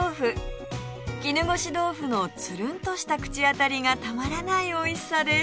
絹ごし豆腐のつるんとした口当たりがたまらないおいしさです